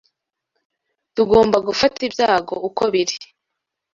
Tugomba gufata ibyago uko biri